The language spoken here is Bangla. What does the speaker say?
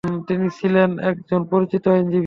তিনি ছিলেন একজন পরিচিত আইনজীবীও।